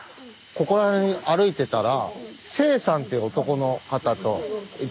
ここら辺歩いてたら勢さんっていう男の方と。